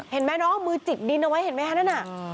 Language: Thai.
เห็นมั้ยน้องมือจิกดินเอาไว้เห็นมั้ยฮะนั่นน่ะ